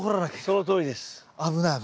そのとおりです。